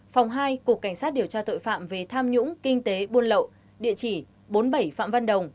phòng hai cục cảnh sát điều tra tội phạm về tham nhũng kinh tế buôn lậu địa chỉ bốn mươi bảy phạm văn đồng